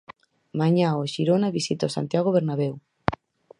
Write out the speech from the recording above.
Mañá o Xirona visita o Santiago Bernabeu.